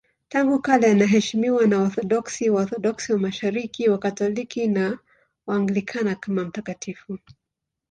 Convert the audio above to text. Tangu kale anaheshimiwa na Waorthodoksi, Waorthodoksi wa Mashariki, Wakatoliki na Waanglikana kama mtakatifu.